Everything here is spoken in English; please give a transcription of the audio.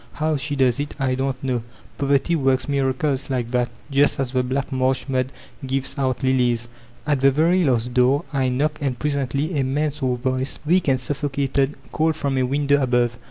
How she does it, I don't know; poverty works miracles like that, just as the bhck marsh mud gives out lilies. At the very last door I knocked, and presently a man's voice, weak and suffocated, called from a window above.